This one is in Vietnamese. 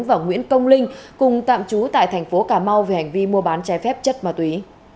và nguyễn công linh cùng tạm trú tại thành phố cà mau về hành vi mua bán trái phép chất ma túy